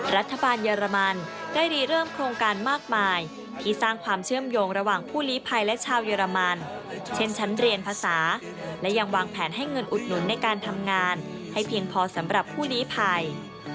รัฐบาลเยอรมันได้รีเริ่มโครงการมากมายที่สร้างความเชื่อมโยงระหว่างผู้ลีภัยและชาวเยอรมันเช่นชั้นเรียนภาษาและยังวางแผนให้เงินอุดหนุนในการทำงานให้เพียงพอสำหรับผู้ลีภัย